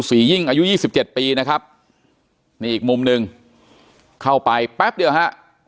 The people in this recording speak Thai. ยิ่งอายุยี่สิบเจ็ดปีนะครับนี่อีกมุมหนึ่งเข้าไปแป๊บเดียวฮะ